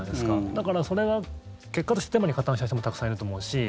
だから、それが結果としてデマに加担した人もたくさんいると思うし。